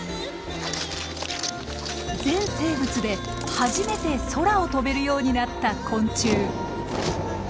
全生物で初めて空を飛べるようになった昆虫。